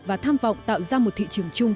và tham vọng tạo ra một thị trường chung